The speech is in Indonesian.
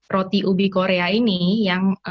roti ubi korea ini yang